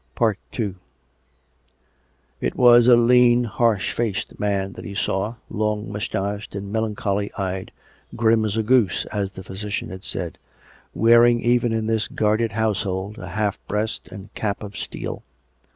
II It was a lean, harsh faced man that he saw, long mous tached and melancholy eyed —" grim as a goose," as the physician had said — wearing, even in this guarded house hold, a half breast and cap of steel.